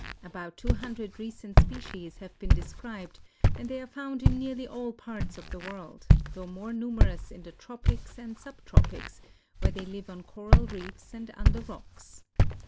About two hundred recent species have been described and they are found in nearly all parts of the world, though more numerous in the tropics and sub tropics, where they live on coral reefs and under rocks.